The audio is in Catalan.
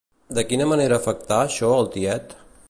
De quina manera afectà això al tiet?